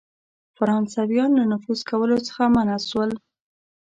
فرانسیویان له نفوذ کولو څخه منع سول.